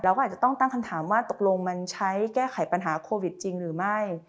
อาจจะต้องตั้งคำถามว่าตกลงมันใช้แก้ไขปัญหาโควิดจริงหรือไม่